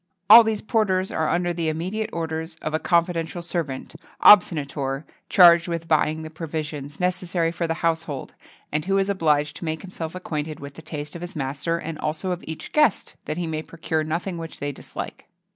[XXII 44] All these porters are under the immediate orders of a confidential servant obsonator charged with buying the provisions necessary for the household, and who is obliged to make himself acquainted with the taste of his master and also of each guest, that he may procure nothing which they dislike.